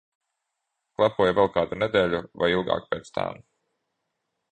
Klepoja vēl kādu nedēļu vai ilgāk pēc tām.